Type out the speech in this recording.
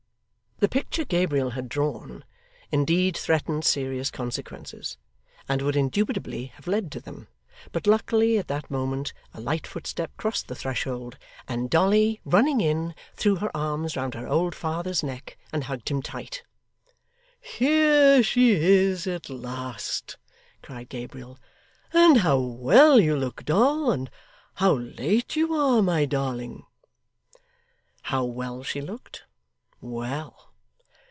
The picture Gabriel had drawn, indeed, threatened serious consequences, and would indubitably have led to them, but luckily at that moment a light footstep crossed the threshold, and Dolly, running in, threw her arms round her old father's neck and hugged him tight. 'Here she is at last!' cried Gabriel. 'And how well you look, Doll, and how late you are, my darling!' How well she looked? Well?